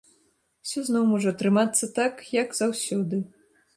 Усё зноў можа атрымацца так, як заўсёды.